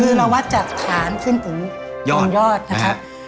คือเราวัดจากฐานขึ้นถึงยอดนะครับ